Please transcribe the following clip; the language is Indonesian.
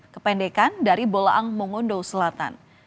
kependekan dari bolaang mongondo selatan